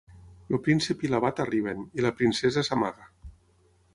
El príncep i l'abat arriben, i la princesa s'amaga.